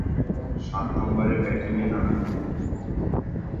সাত নম্বরে ব্যাটিংয়ে নামেন তিনি।